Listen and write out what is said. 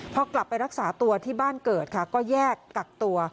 พอกลับไปรักษาตัวที่บ้านเกิดค่ะก็แยกกักตัว